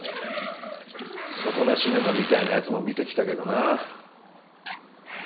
底なし沼みたいな奴も見てきたけどな。